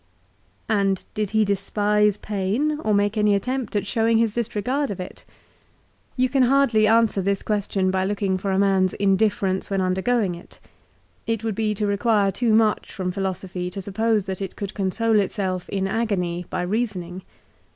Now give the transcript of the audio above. And did he despise pain or make any attempt at showing his disregard of it ? You can hardly answer this question by looking for a man's indifference when undergoing it. It would be to require too much from philosophy to suppose that it could console itself in agony by reasoning.